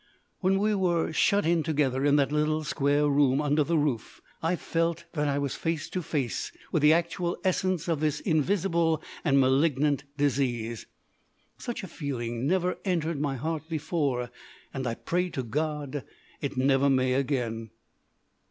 When we were shut in together in that little square room under the roof, I felt that I was face to face with the actual essence of this invisible and malignant disease. Such a feeling never entered my heart before, and I pray to God it never may again.